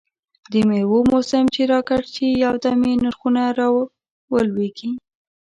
دمېوو موسم چې را ګډ شي، یو دم یې نرخونه را ولوېږي.